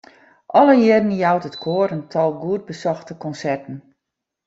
Alle jierren jout it koar in tal goed besochte konserten.